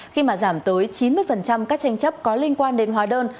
khi mà giảm tới chín mươi các tranh chấp có liên quan đến hóa đơn